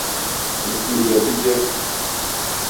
Nsihge bijek.